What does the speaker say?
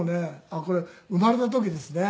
あっこれ生まれた時ですね。